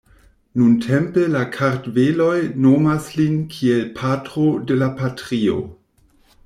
Nuntempe la kartveloj nomas lin kiel "Patro de la Patrio".